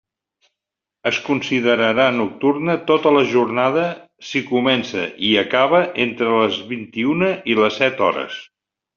Es considerarà nocturna tota la jornada si comença i acaba entre les vint-i-una i les set hores.